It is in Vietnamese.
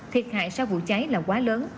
thiệt hại sau vụ cháy là quá lớn